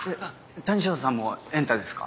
谷ショーさんも『エンタ』ですか？